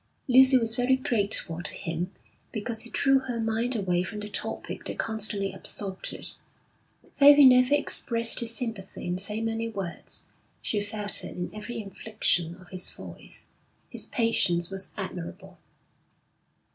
Lucy was very grateful to him because he drew her mind away from the topic that constantly absorbed it. Though he never expressed his sympathy in so many words, she felt it in every inflection of his voice. His patience was admirable.